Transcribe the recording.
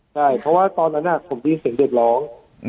ใช่เพราะว่าตอนนั้นผมได้ยินเสียงเด็กร้อง